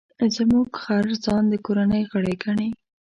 زموږ خر ځان د کورنۍ غړی ګڼي.